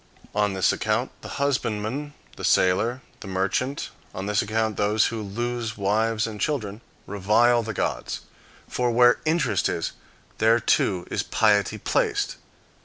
On this account the husbandman, the sailor, the merchant, on this account those who lose wives and children, revile the gods. For where interest is, there too is piety placed.